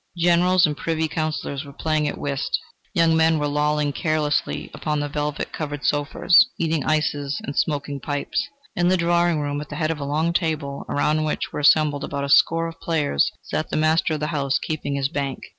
Generals and Privy Counsellors were playing at whist; young men were lolling carelessly upon the velvet covered sofas, eating ices and smoking pipes. In the drawing room, at the head of a long table, around which were assembled about a score of players, sat the master of the house keeping the bank.